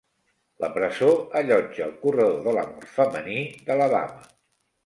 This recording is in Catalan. La presó allotja el corredor de la mort femení d'Alabama.